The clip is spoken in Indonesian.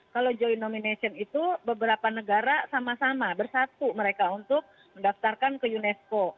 kalau joint nomination itu beberapa negara sama sama bersatu mereka untuk mendaftarkan ke unesco